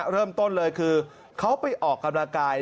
เริ่มต้นเลยคือเขาไปออกกำลังกาย